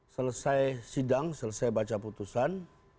selesai sidang selesai baca putusan